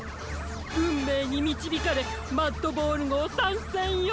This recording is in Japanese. うんめいにみちびかれマッドボールごうさんせんよ！